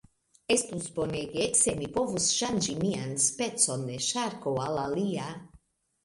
Estus bonege, se mi povus ŝanĝi mian specon de ŝarko al alia.